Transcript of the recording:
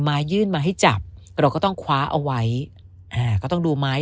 มายื่นมาให้จับเราก็ต้องคว้าเอาไว้อ่าก็ต้องดูไม้